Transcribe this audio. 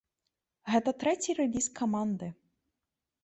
Гэта трэці рэліз каманды.